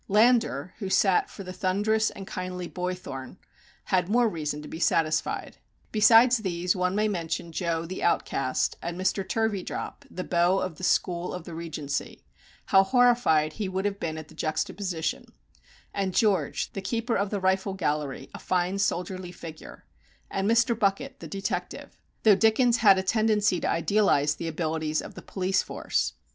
Landor, who sat for the thunderous and kindly Boythorn, had more reason to be satisfied. Besides these one may mention Joe, the outcast; and Mr. Turveydrop, the beau of the school of the Regency how horrified he would have been at the juxtaposition and George, the keeper of the rifle gallery, a fine soldierly figure; and Mr. Bucket, the detective though Dickens had a tendency to idealize the abilities of the police force.